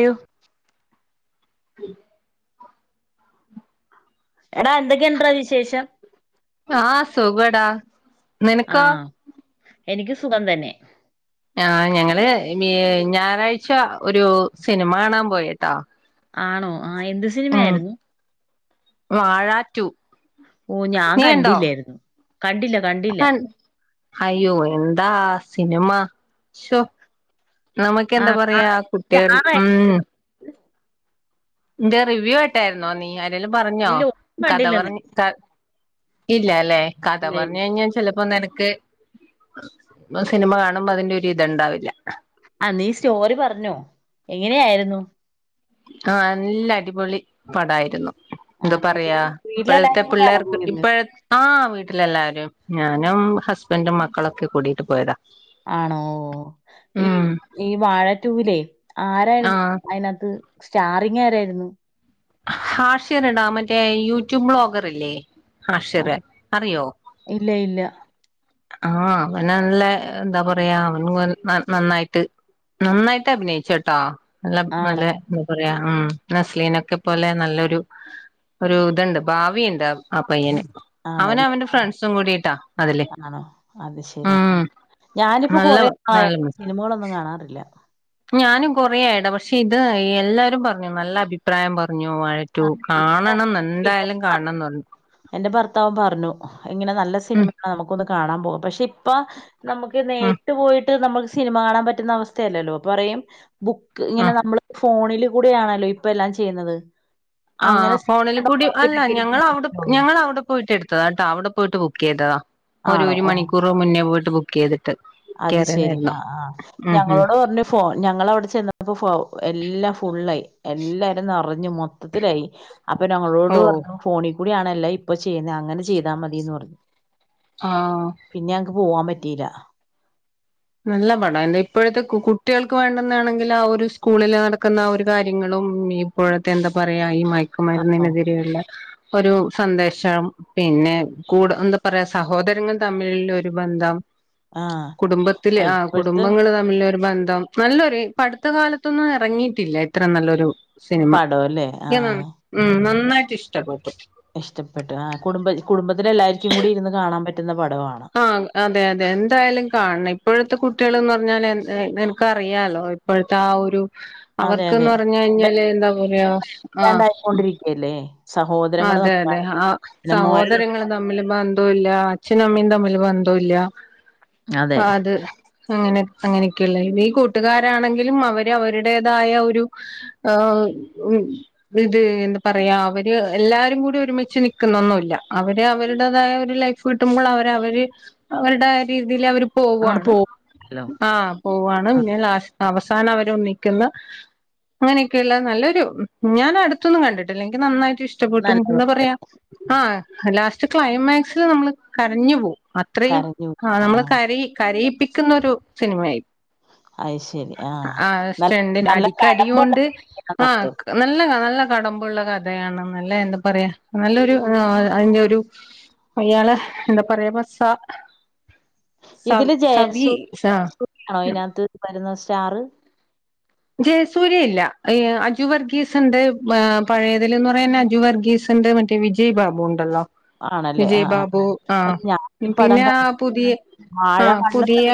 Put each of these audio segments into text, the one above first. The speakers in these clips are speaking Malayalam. യ്യോ എടാ എന്തൊക്കെയുണ്ട ഡാ വിശേഷം ആ സുഖ ഡാ നിനക്കോ ആഹ് എനിക്ക് സുഖം തന്നെ ആ ഞങ്ങള് ഞായറാഴ്ച ഒരു സിനിമ കാണാൻ പോയട്ടോ ആണോ ആഹ എന്ത് സിനിമയായിരുന്നു റ്റു ഓ ഞാൻ കണ്ടില്ലായിരുന്നു കണ്ടില്ല കണ്ടില്ല അയ്യോ എന്താ സിനിമ ശോ നമക്ക് എന്താ ആഹ് പറയാ ആഹ് കുട്ടികൾ ഉം സ്റ്റാറായിരുന്നു ന്റെ റിവ്യൂ ആയിട്ടായിരുന്നോ നീ എന്തേലും പറഞ്ഞോ ഇല്ല ഒന്നും കഥ കണ്ടില്ലെന്നേ പറഞ് ക ഇല്ല അല്ലേ കഥ ഇല്ലായില്ല പറഞ്ഞു കഴിഞ്ഞാൽ ചെലെപ്പോ അപ്പോ നിനക്ക് സിനിമ കാണുമ്പോ അതിന്റെ ഒരു ഇത്ണ്ടാവില്ല ആ നീ സ്റ്റോറി പറഞ്ഞോ എങ്ങനെയായിരുന്നു ആ നല്ല അടിപോളി പടായിരുന്നു എന്താ ആഹ് പറയാ ഇപ്പോഴത്തെ വീട്ടിലെല്ലാരും കൂടെയാണോ പിള്ളേർക്ക് പോയത് ഇപ്പഴ [unintelligible] വീട്ടിലെല്ലാരും ഞാനും ഹസ്ബൻഡും മക്കളൊക്കെ കൂടിട്ട് പോയതാ ആണോ ഈ ഉം ഈ വാഴറ്റൂലേ ആരായിരുന്നു ആഹ് അതിനകത്ത് സ്റ്റാറിങ് ആരായിരുന്നു ഹാഷ്യർടാ മറ്റേ യൂട്യൂബ് ബ്ളോഗർ ഇല്ലേ ആഹ് ഹാഷിരെ അറിയോ ഇല്ല ഇല്ല ആ അവൻ നല്ല എന്താ പറയാ അവൻ നന്നായിട്ട് നന്നായിട്ട് അഭിനയിച്ചട്ടോ നല്ല ആണോ മലമുകൾ ഉം നസ്ലീനൊക്കെ പോലെ നല്ലോരു ഒരു ഇതുണ്ട് ഭാവിയുണ്ട് ആ പയ്യന് അവന് ആണല്ലേ അവന്റെ ഫ്രണ്ട്സും കൂടിട്ടാ അതില് ആണോ അത് ശരി ഉം ഞാനിപ്പോ നല്ല കോറെആയി നല്ല സിനിമകളോന്നും കാണാറില്ല ഞാനും കുറേയായിട പക്ഷേ ഇത് എല്ലാവരും പറഞ്ഞു നല്ല അഭിപ്രായം പറഞ്ഞു കുഞ്ഞു വാഴ റ്റൂ ആ, കാണണംന്ന് എന്തായാലും കാണണംന്ന് പറഞ്ഞു എന്റെ ഭർത്താവും പറഞ്ഞു ഇങ്ങനെ നല്ല ഉം സിനിമയാണ് നമുകോന്ന് കാണാൻ പോകും പക്ഷെ ഇപ്പോ നമുക്ക് ഉം നേരിട്ട് പോയി ട്ട് നമ്മക്ക് സിനിമ കാണാൻ പറ്റുന്ന അവസ്ഥയല്ലല്ലോ പറയും ബുക്ക് ഉം ഇങ്ങനെ നമ്മള് ഫോണിൽ കൂടെ ആണല്ലോ ഇപ്പോ എല്ലാം ചെയ്യുന്നത് ആ അങ്ങനെ ഫോണിൽ കൂടി അല്ല നോക്കിട്ടൊക്കെ ഞങ്ങൾ അവിടെ ഞങ്ങൾ അവിടെ പോയിട്ട എടുത്ത ത്തതാട്ടോ അവിടെ പോയിട്ട് ബുക്ക് ചെയ്തതാ ഒരു ആണോ ഒരു ഓ മണിക്കൂർ മുന്നേ പോയി ട്ട് ബുക്ക് ചെയ്ത് അത് ശെരി ആ ആ ഉം ഉം ഞങ്ങളോട് പറഞ് ഫോ ഞങ്ങളവിടെ ചെന്നപ്പോ ഫോ എല്ലാം ഫുള്ളായി എല്ലാരും ന്നറഞ്ഞ് മോത്തത്തിലായി അപ്പോ ഓ ഞങ്ങളോട് പറഞ്ഞു ഫോണി കൂടിയണല്ലെ ഇപ്പൊ ചെയ്യുന്ന അങ്ങനെ ചെയ്താൽ മദീന്ന് പറഞ്ഞു ആഹ് പിന്നെ ഞങ്ങക്ക് പോവാൻ പറ്റീല്ല നല്ല പടം എന്താ ഇപ്പോഴത്തെ കുട്ടികൾക്ക് വേണ്ടന്നാണെങ്കിൽ ആ ഒരു സ്കൂളില് നടക്കുന്ന ആ ഒരു കാര്യങ്ങളും ഇപ്പോഴത്തെ എന്താ പറയാ യക്കു ആണോ മരുന്നിനെതിരെയുള്ള ഒരു സന്ദേശം പിന്നെ കൂടെ എന്താ പറയാ സഹോദരങ്ങളും തമ്മിൽ ഉള്ള ഒരു ബന്ധം ആഹ് കുടുംബത്തില് ആ കുടുംബങ്ങള് തമ്മിൽ ബന്ധം നല്ലൊരു പ അടുത്ത കാലത്തൊന്നും ഇറങ്ങിയിട്ടില്ല ഇത്ര നല്ലൊരു സിനിമ പടം അല്ലേ ആ നന്നായിട്ട്ഷ്ടപ്പെടും ഇഷ്ടപ്പെട്ടു ആ കുടുംബ കുടുംബത്തിലെ എല്ലാവക്കു എനിക്കും കൂടി ഇരുന്ന് കാണണം ണൻ പറ്റുന്ന പടമാ ആ അതെ അതെ എന്തായാലും കാണണം ഇപ്പോഴത്തെ കുട്ടികൾ എന്ന് ഞാൻ എൻ എ നിനക്കറിയാലോ ഇപ്പോഴത്തെ ആ ഒരു അതെ അതെ അവർക്ക്ന്ന് പറഞ്ഞ കഴിഞ്ഞാല് എന്താപലെയ ആ ബെല്ലാണ്ടായിക്കൊണ്ടിരിക്കല്ലേ സഹോദരങ്ങള് അതെ അതെ തമ്മിലാണ് ആ പിന്നെ മോര് തമ്മിൽ സഹോദരങ്ങള് തമ്മില് ബന്ധവൂല്ല അച്ഛനും അമ്മയും തമ്മില് ബന്ധഉല്ല അതെ ആ അത് അങ്ങനെ അങ്ങനെയൊക്കെള്ള ഈ കൂട്ടുകാരാണെങ്കിലും അവര് അവരുടേതായ ഒരു എ ഇത് അ എന്താ പറയാ അവര് [unintelligible] എല്ലാരും കൂടി ഒരുമിച്ച് നിൽക്കുന്നൊന്നുല്ല അവര് അവരുടേതായ ഒരു ലൈഫ് കിട്ടുമ്പോൾ അവര അവര് അവരുടെ രീതില് അവര് അങ്ങോട്ട് പോവാണ് പോകല്ലോ ആ പോവാണ് ആ പിന്നെ ലാസ് അവസാനം അവര് ഒന്നിക്കുന്ന അങ്ങനെയൊക്കെയുള്ള നല്ലൊരു ഞാൻ അടുത്തൊന്നും കണ്ടിട്ടില്ല എങ്കി നന്നായിട് ഇഷ്ടപ്പെട്ടും ന്ത നല്ല പറ്യാ ആ ലാസ് ക്ലൈമാക്സി നമ്മള് കരഞ്ഞു പോവു അത്രയും ആ നമ്മള് കരി കരി പ്പിക്കുന്നൊരു സിനിമയായി അത് ശരി ആ നല്ല സ്റ്റണ്ടിന നല്ല അടിക്ക് കഴമ്പുള്ള അടിയുണ്ട് ആ അർത്ഥം നല്ലതാ നല്ല കടമ്പുള്ള കഥയാണ് നല്ല എന്ത പറയാ നല്ലൊരു അയിലെ ഒരു അയാളെ എന്താ പറയാ ബസ ഇതില് ജയസൂ സ ജയസൂയാണോ അയിനകത്ത് വരുന്ന ചാറ് ജയസൂര്യ ഇല്ല ഈ അജു വർഗീസ് ഉണ്ട് പഴയതല് എന്ന് പറയാൻ അജു വർഗീസ് ഉണ്ട് മറ്റേ വിജയ് ബാബു ഉണ്ടല്ലോ ആണല്ലേ ആ വിജയ് ആ ബാബു ആഹ് ഞാൻ ഈ പടം പിന്നെ ആ കണ്ടി പുതിയ വാഴ ആഹ് [inaudible] പുതിയ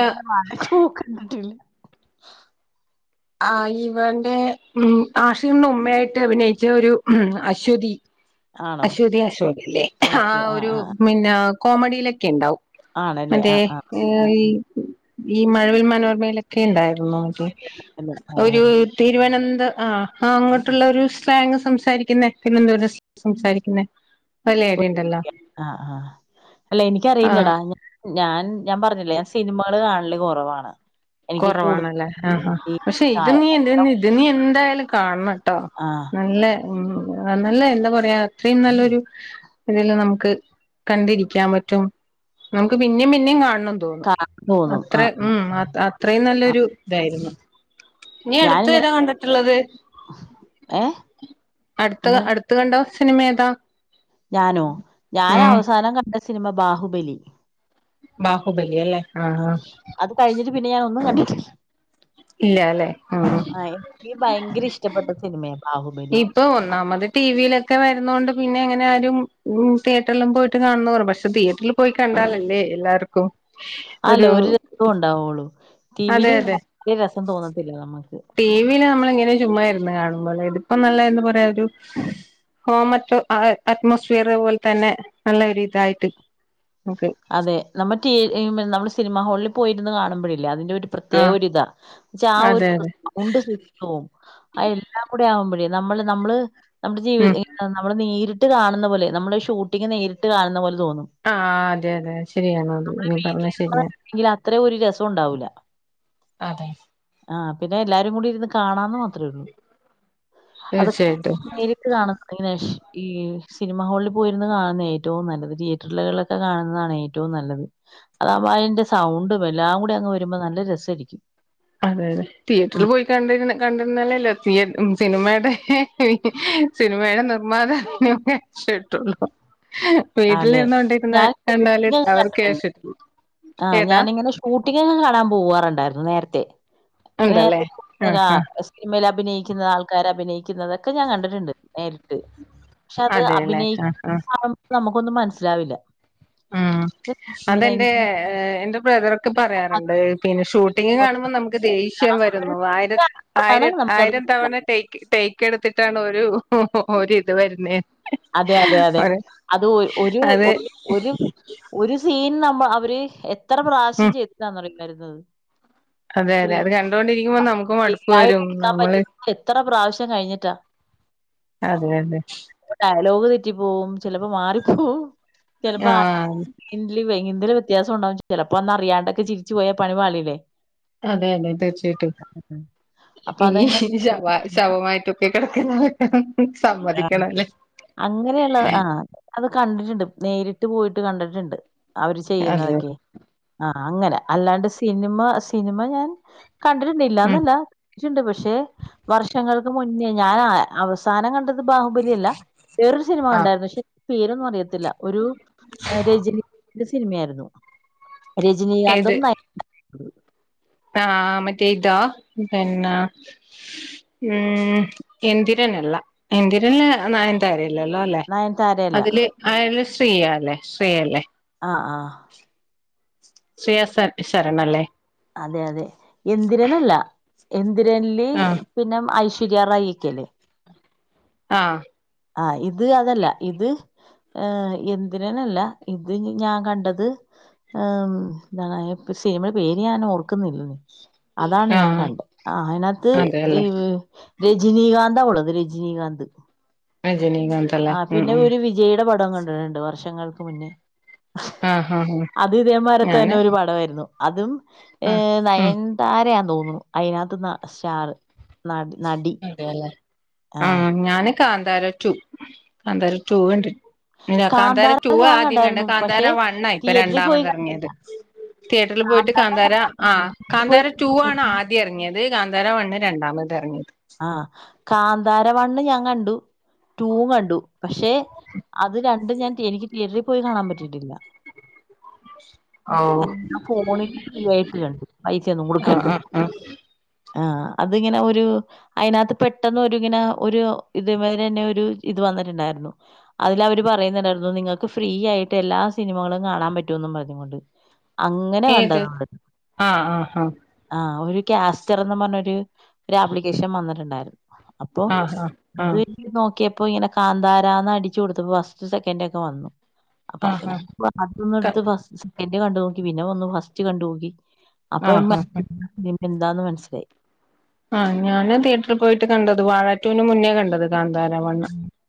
ആ ഇവന്റെ മ് ആഷിംന ഉമ്മയായിട്ട് അഭിനയിച്ച ഒരു അശ്വതി ആണോ അശ്വതി അശോകല്ലേ ആ ഓക്കെ ഒരു ആ ആ. മിന്ന കോമഡിയിലൊക്കെ ഇണ്ടാവും ആണല്ലേ ആ അതെ ആ ഏ ഈ ഈ മഴവിൽ മനോർമയിലൊക്കെ ഇണ്ടായി അല്ല ഓ [unintelligible] ഒരു ഓ തിരുവനന്ത ത് ആ ആ അങ്ങട്ടുള്ള ഒരു സ്ലാങ് സംസാരിക്കുന്ന [unintelligible] സംസാരിക്കുന്നേ ആ് ആ് അല്ലെ ആ എനിക്കറിയില്ലടാ ഞാ ഞാൻ ഞ പറഞ്ഞില്ലെ സിനിമകള് കാണ് നല്ല കുറവാണ് എനിക്ക് കൂടുതൽ കുറവാണല്ലേ ആ ഈ പക്ഷെ കാ- ഇത് നീ എന്ത ഇത് നീ എന്തായാലും കാണണംട്ടോ ആ നല്ല ഉ നല്ല എന്താ പറയാ അത്രയും നല്ലൊരു ഇതില് നമുക്ക് കണ്ടിരിക്കാൻ പറ്റും നമുക്ക് പിന്നിം പിന്നിം കാണ കാണാ തോന്നും ആ ആ അത്രയും നല്ലൊരു താ ആരുന്നു നീ അടുത്ത ഞാനിങ്ങനെ ഏതാ കണ്ടിട്ടുള്ളത് ഏ അടുത്ത എന്താണ് അടുത്ത് കണ്ടോ സിനമേത ഞാനോ ഞാൻ അവസാനം കണ്ട സിനിമ ബാഹുബലി ബാഹുബലി അല്ലേ ആഹ് അത് കഴിഞ്ഞിട്ട് പിന്നെ ഞാൻ ഒന്നും കണ്ടിട്ടില്ല ഇല്ല അല്ലെ ആഹ് ആ എനിക്ക് ഭയങ്കര ഇഷ്ടപ്പെട്ട സിനിമയാണ് ഇപ്പൊ ഒന്നാമത് ടി വിയിലെ ഒക്കെ വരുന്ന കൊണ്ട് പിന്നെ എങ്ങനെ ആരും തിയേറ്ററിലും പോയിട്ട് കാണുന്ന പറു പക്ഷെ തിയേറ്ററിൽ പോയി കണ്ടാലല്ലേ എല്ലാവർക്കും അല്ല ഒരു രസം ഉണ്ടാവുള്ളു ടിവിൽ അതെ അതെ വരെ രസം തോന്നത്തില്ല നമ്മുക്ക് കാണുമ്പോൾ ഇതിപ്പോ നല്ല എന്ന് പറയാ ഒരു ഹോമറ്റോ അറ്റ്മോസ്ഫിയർ പോലെ തന്നെ നല്ല ഇതായിട്ട് ഓക്കെ അതെ നമ്മറ്റി നമ്മൾ സിനിമാ ഹാളിൽ പോയിരുന്നു കാണുമ്പഴില്ല അതിന്റെ ഒരു ആഹ് പ്രത്യേകരിതാ ആ ഒരു അതെ അതെ സൗണ്ട് സിറ്റവും എല്ലാം കൂടെ ആവുമ്പോഴേ നമ്മള് നമ്മള് നമ്മുടെ ജീവി ഉം നമ്മള് നേരിട്ട ട്ട് കാണുന്ന പോലെ നമ്മുടെ ഷൂട്ടിംഗ് നേരിട്ട് കാണുന്ന പോലെ തോന്നും ആ അ അതെ അതെ ശരിയണോത് നീ പറഞ്ഞ ശരിയാ ങ്കിൽ അത്ര ഒരു രസം ഉണ്ടാവൂില്ല അതെ ആ പിന്നെ എല്ലാരും കൂടി ഇരുന്ന് കാണാന്ന് മാത്രേ ഉള്ളു അതൊക്കെ തീർച്ചയായിട്ടും നേരിട്ട് കാണുന്നുനാേഷ് ഈ സിനിമ ഹാളിൽ പോയിരുന്നു കാണുന്ന ഏറ്റവും നല്ലത് തിയേറ്ററിലുകളിലൊക്കെ കാണ താണ് ഏറ്റവും നല്ലത് അതാ അതിന്റെ സൗണ്ടും എല്ലാം കൂടി അങ്ങ് വരുമ്പോ നല്ല രസമായിരിക്കും അതെ അതെ തിയേറ്ററിൽ പോയി കണ്ടിുന്ന കണ്ടിരല്ലേല്ലോ തിയ സിനിമയുടെ സിനിമയുടെ നിർമ്മാതക്കെ ഇഷ്ടട്ടുള്ളു അതെ ഞാൻ കണ്ടാല് ഷൂട്ടിംഗ് അവർക്ക് കണ്ടിട്ടുണ്ട് ക്യാഷ് കിട്ടു ആ ഏതാ ഞാനിങ്ങനെ ഷൂട്ടിങ്ങും കാണാൻ പോവാറുണ്ടായിരുന്നു നേരത്തെ ഉണ്ടല്ലേ ആഹ് ആഹ് സിനിമൽ അഭിനയിക്ക ുന്ന ആൾക്കാരർ അഭിനയിക്കും തൊക്കെ ഞാൻ കണ്ടിട്ടുണ്ട് നേരിട്ട് പക്ഷെ അത് അതെല്ലേ ആഹ് അഭിനയിക്ക നമുക്കൊന്നും മനസ്സിലാവില്ല ഉ ഇവര് ഇങ്ങനെ അതെറെ എറെ ബ്രദറൊക്കെ ഇങ്ങനെ പറയാറുണ്ട് പിന്നെ ഷൂട്ടിംഗ് കാണുമ്പോ നമുക്ക് ദേഷ്യം എല്ലാം കൂടെ ഒരു വരുന്നു ആയിര ാണ് ആയിര നമുക്കത് ആയിരം മനസ്സിലാവുന്നത്. തവണേക്ക് ടേക്ക് എടുത്തിട്ട് ണ ഒരിത് വരുന്നേ അതെ അതെ അതെ അത് ഒരു അത് ഒരു ഒരു സ പി നമ്മ അവര് ഇത്ര പ്രാവശ്യം ഉം ചെയ്തയെന്ന് അറിയൂ വരുന്നത് അതെ അതെ ക്രി അത് കണ്ടുകൊണ്ടിരിക്കുമ്പോ നമുക്ക് മടുപ്പ് ശരിയായിട്ട് വരും എടുക്കാൻ നമ്മള് പറ്റുന്നത് എത്ര പ്രാവശ്യം കഴിഞ്ഞിട്ടാ അതെതെ ലോക തെറ്റി പോവും ചിലപ്പോ മാറിപ്പോ ആഹ ന്തല വ്യത്യാസം ഉണ്ടാവും ചിലപ്പോ അന്ന് അറിയാണ്ടൊക്കെ ചിരിച്ചു പോയാ പിപാളില്ലേ അതെ അതെ തീർച്ചയായിട്ടും അപ്പൊ ഈ അതങ്ങനെ ശവ ശവമായിട്ടൊക്കെ കിടക്കുന്ന െ ആ അങ്ങനെയുള്ളത് ആഹ അത് കണ്ടിട്ടുണ്ട് നേരിട്ട് ഇ് പോയിട്ട് കണ്ടിട്ടുണ്ട് അവര് അതെ ചെയ്യുന്നതൊക്കെ ആ അങ്ങനെ അല്ലാണ്ട് സിനിമ സിനിമ ഞാൻ ഉം കണ്ടിട്ടുണ്ട്ല്ലന്നല്ലിട്ടുണ്ട് പക്ഷെ വർഷങ്ങൾ മുന്നേ ഞാൻ അവസാനം കണ്ട ബാഹുബലി അല്ല വേറൊരു സിനിമ ആഹ് ഉണ്ടായിരുന്നു പക്ഷെ പേരൊന്ന് പറയോ [unintelligible] ഒരു രച സിനിമയാരുന്നു രജനി ഗാന്ധും ആ മറ്റേ ഇതാ പിന്നെ ഉം എന്തിരനല്ല എന്തിരനില് ആ നയൻതാര ഇല്ലലോലേ നയൻതാരയല്ല അതില് ശ്രീ ആലെ ശ്രീ അല്ലേ ആ ആ ശ്രേയാ ശര ശരൺ അല്ലേ അതെ അതെ എന്തിരനല്ല എന്തി ഗില്ലി ആഹ് പിന്നെ ഐശ് പിരിയാറായിരിക്കല്ലെ ആ ആഹ് ഇത് അതല്ല ഇത് എന്തിരനല്ല ഇത് ഞാൻ കണ്ടത് എന്താണ് സിനിമയുടെ പേര് ഞാൻ ഓർക്കുന്നില്ല അതാണ് ഞാൻ ആഹ് കണ്ടത് ആ അയിനാത്ത് ഈ അതെല്ലേ രജനീകാന്ത് അവള് രജിനീകാന്ത് രജനീകാന്തല്ലേ ഉം ഉം ടം കണ്ടിട്ടുണ്ട് വർഷങ്ങൾക്ക് മുന്നേ ആഹ് ആഹ് ആഹ് അത് ഇതേമാരത്തെ തന്നെ ഞാന് ഒരു പടവായിരുന്നു അതും ഏ ആഹ് ഉം നയൻതാരേ അ തോന്നുന്നു അയ്‌നാത്ത് ന സ്റ്റാറ് അതേല്ലേ ആ ആഹ് ഞാന് കാന്താര ടു കാന്താര ടു കണ്ട് ഇല്ല കാന്താര ടൂവാ ഞാൻ ആദ്യം കണ്ടെ കണ്ടായിരുന്നു കാന്താര പക്ഷെ വണ്ണാണ് ഇപ്പൊ തിയേറ്ററിൽ പോയി രണ്ടാമത് കണ്ടില്ല ഇറങ്ങിയത് തീയേറ്ററിൽ പോയിട്ട് കാന്താര ഞാൻ ആ കണ്ടില്ല. തിയേറ്ററിൽ പോയി കാന്താര ടു ആണ് കണ്ടിട്ടുണ്ട്. ആദ്യം ഇറങ്ങിയത് കാന്താര വണ്ണ് രണ്ടാമത് ഇതറങ്ങീ ആ കാന്താര വണ്ണ് ഞാൻ കണ്ടു ടൂ കണ്ടു പക്ഷെ അത് ര പണ്ട് ഞാൻ എനിക്ക് റ്റിയറ്ററിൽ പോയി കാണാൻ പറ്റിയിട്ടില്ല ഓഹ് ഫോണില് ഫ്രീ ആയിട്ട് കണ്ടു പൈസ ഒന്നും ആഹ് കൊടുക്കാണ്ട് ആഹ് ആഹ് ആ അതിങ്ങനെ ഒരു അയിനകത്ത് പെട്ടെന്ന് ഒരുതിങ്ങനെ ഒരു ഇത് മാതിരി അന്നെ ഒരു ഇത് വന്നിട്ടുണ്ടായിരുന്നു അതില് അവര് പറയുന്നുണ്ടായിരുന്നു നിങ്ങൾക്ക് ഫ്രീ ആയിട്ട് എല്ലാ സിനിമകളും കാണാൻ പറ്റുന്നും പറഞ്ഞ് കൊണ്ട് അങ്ങനെ കണ്ടത ഏത് മ്മള് ആഹ് ആഹ് ആ ഒരു കാസ്റ്ററന്നുംപറഞ്ഞ ഒരു ആപ്ലിക്കേ ക്ഷം വന്നിട്ടുണ്ടായിരുന്നു അപ്പൊ ആഹ് ആഹ് അത് ആഹ് നോക്കിയ ഇപ്പൊ എങ്ങനെ കന്താരാന്ന് അടിച്ചു കൊടുത്തപ്പോൾ ഫാസ്റ്റ് സെക്കറ്റ് ഒക്കെ വന്നു അപ്പൊ അതിന ആഹ് [unintelligible] ആഹ് എടുത്ത് ഫസ്റ്റ് പിന്നെ നോക്കി പിന്നെ വന്നു ഫസ്റ്റ് കണ്ടുനോക്കി അപ്പൊ ആഹ് ആഹ് [unintelligible] എന്താന്ന് മനസ്സിലായി ആഹ് ഞാന് തിയേറ്ററിൽ പോയിട്ട് കണ്ടത് വാഴാറ്റുവിന് മുന്നേ കണ്ടത് കാ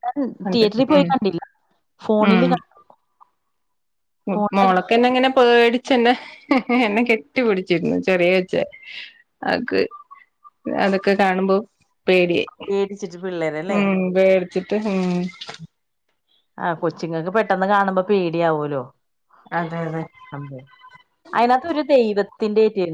ഞാൻ തിയേറ്ററിൽ പോയി കണ്ടില്ല ഫോണില് കണ്ട് മോളൊക്ക [unintelligible] പേടിച്ചന്നെ എന്നെ കെട്ടി പിടിച്ചിരുന്നു ചെറിയ വെച്ച അക്ക് അതൊക്കെ കാണുമ്പോ പേടിയി പേടിച്ചിട്ട് പിള്ളേരല്ലേ ഉം പേടി ച്ചിട്ട് ഹം ആ കൊച്ചിങ്ങൾക്ക് പെട്ടെന്ന് കാണുമ്പോ പേടിയാവൂലോ അതെ അതെ അതെ അയിനകത്ത് ഒരു ദൈവത്തിന്റെ [inaudible]